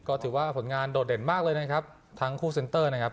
ก็ถือว่าผลงานโดดเด่นมากเลยนะครับทั้งคู่เซ็นเตอร์นะครับ